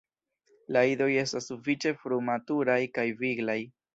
La idoj estas sufiĉe frumaturaj kaj viglaj.